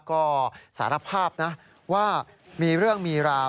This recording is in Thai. ก็สารภาพนะว่ามีเรื่องมีราว